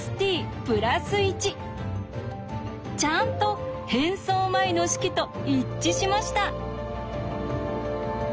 ちゃんと変装前の式と一致しました！